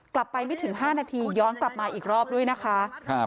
ไม่ถึง๕นาทีย้อนกลับมาอีกรอบด้วยนะคะ